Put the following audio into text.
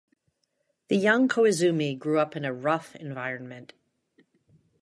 The young Koizumi grew up in a rough environment.